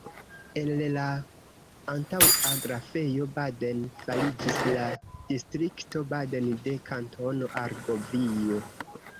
El la antaŭa Grafejo Baden fariĝis la distrikto Baden de Kantono Argovio.